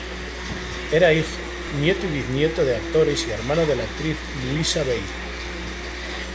Era hijo, nieto y biznieto de actores y hermano de la actriz Luisa Vehil.